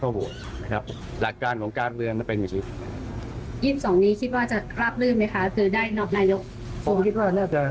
ผมคิดว่าน่าจะ